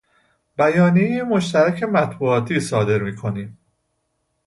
بیانیه مشترک مطبوعاتی صادر می کنیم.